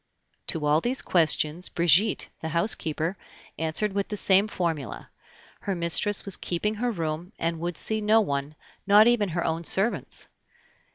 To all these questions, Brigitte, the housekeeper, answered with the same formula: her mistress was keeping her room, and would see no one, not even her own servants.